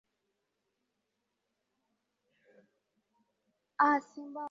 aa simba wa taranga cameroon wakiwasambaratisha drc congo kwa mabao mawili